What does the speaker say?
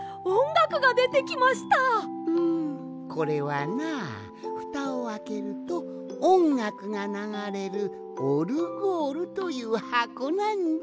んこれはなふたをあけるとおんがくがながれるオルゴールというはこなんじゃ。